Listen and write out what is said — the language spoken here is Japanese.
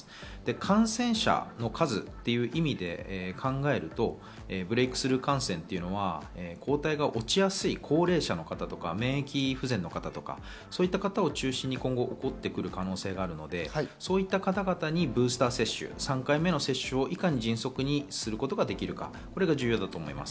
感染者の数という意味で考えるとブレイクスルー感染というのは抗体が落ちやすい高齢者の方とか免疫不全の方とか、そういった方を中心に起きてくる可能性があるので、そういった方々にブースター接種、３回目の接種をいかに迅速にすることができるか、これが重要だと思います。